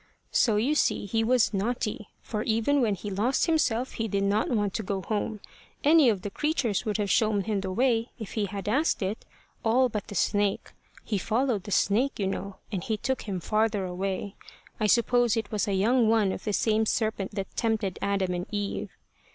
"So you see he was naughty; for even when he lost himself he did not want to go home. Any of the creatures would have shown him the way if he had asked it all but the snake. He followed the snake, you know, and he took him farther away. I suppose it was a young one of the same serpent that tempted Adam and Eve.